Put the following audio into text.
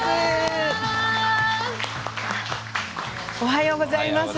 おはようございます。